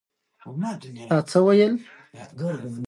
د خدای دا کړنه ډېره بده اېسي.